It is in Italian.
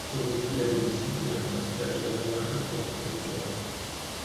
Sono infine ben visibili anche la Spiaggia dell'Ariana e la Torre Viola.